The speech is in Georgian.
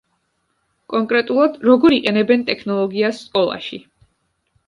კონკრეტულად, როგორ იყენებენ ტექნოლოგიას სკოლაში.